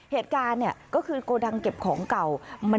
เหตุการณ์ก็คือกระดังเก็บของเก่า